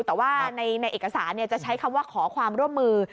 แต่ว่าในเอกสารจะใช้คำว่าขอความร่วมมือ